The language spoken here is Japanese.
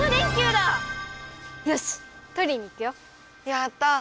やった！